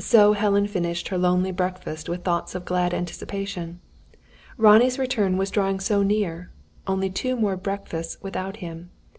So Helen finished her lonely breakfast with thoughts of glad anticipation. Ronnie's return was drawing so near. Only two more breakfasts without him.